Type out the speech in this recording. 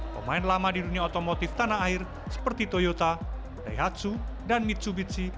pemain lama di dunia otomotif tanah air seperti toyota daihatsu dan mitsubitshi